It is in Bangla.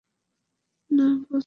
না, বোস।